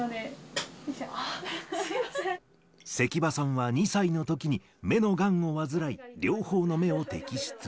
関場さんは２歳のときに目のがんを患い、両方の目を摘出。